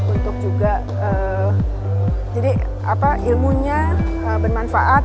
untuk juga jadi ilmunya bermanfaat